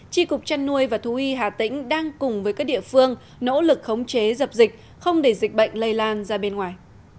tri cục chăn nuôi và thú y hà tĩnh đang cùng với các địa phương nỗ lực khống chế dập dịch không để dịch bệnh lây lan ra bên ngoài